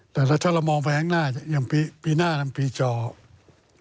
แต่ถ้าเรามองไปแห่งหน้าอย่างปีหน้าปีเจาะ